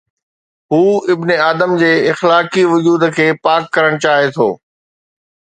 هو ابن آدم جي اخلاقي وجود کي پاڪ ڪرڻ چاهي ٿو.